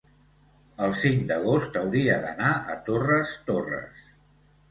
El cinc d'agost hauria d'anar a Torres Torres.